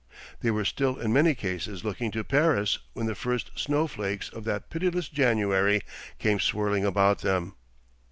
They were still in many cases looking to Paris when the first snowflakes of that pitiless January came swirling about them.